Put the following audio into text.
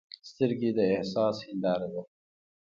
سترګې د احساس هنداره ده